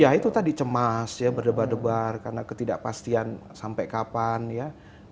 ya itu tadi cemas ya berdebar debar karena ketidakpastian sampai kapan ya